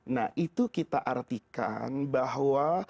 nah itu kita artikan bahwa